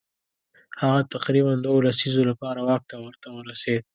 هغه تقریبا دوو لسیزو لپاره واک ورته ورسېد.